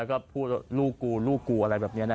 แล้วก็พูดลูกกูลูกกูอะไรแบบนี้นะ